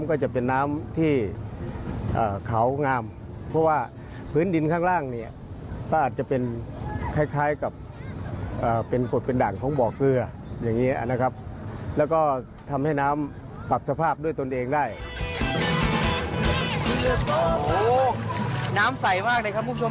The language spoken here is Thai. โอ้โฮน้ำใสมากเลยครับผู้ชม